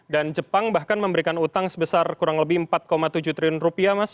jepang bahkan memberikan utang sebesar kurang lebih empat tujuh triliun rupiah mas